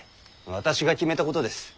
私が決めたことです。